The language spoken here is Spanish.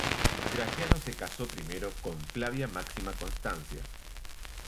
Graciano se casó primero con Flavia Máxima Constancia.